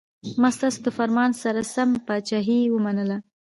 ما ستاسو د فرمان سره سم پاچهي ومنله.